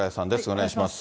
お願いします。